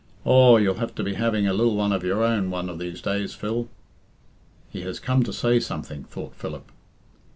Aw, you'll have to be having a lil one of your own one of these days, Phil." "He has come to say something," thought Philip.